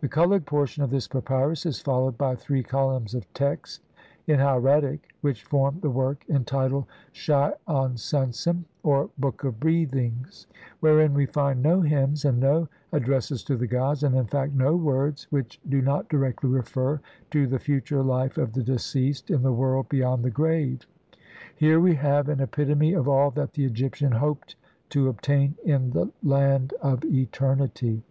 The coloured portion of this papyrus is followed by three columns of text in hieratic which form the work entitled Shai en Sensen, or "Book of Breathings" (see Plate XVII), wherein we find no hymns, and no ad dresses to the gods, and in fact no words which do not directly refer to the future life of the deceased in the world beyond the grave. Here we have an epitome of all that the Egyptian hoped to obtain in the "land of eternity".